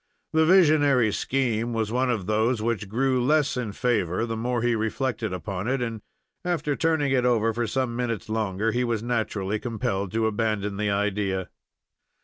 The visionary scheme was one of those which grew less in favor the more he reflected upon it, and, after turning it over for some minutes longer, he was naturally compelled to abandon the idea.